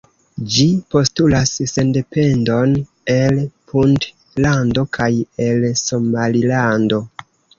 Ĝi postulas sendependon el Puntlando kaj el Somalilando.